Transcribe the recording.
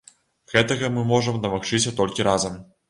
Гэтага мы можам дамагчыся толькі разам.